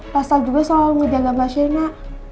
rasta juga selalu ngediaga mbak shandinya